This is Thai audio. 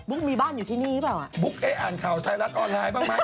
มีบ้านอยู่ที่นี่หรือเปล่าอ่ะบุ๊กเอ๊อ่านข่าวไทยรัฐออนไลน์บ้างไหม